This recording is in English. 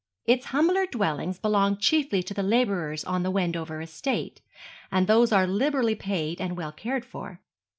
Its humbler dwellings belong chiefly to the labourers on the Wendover estate, and those are liberally paid and well cared for.